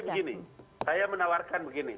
begini saya menawarkan begini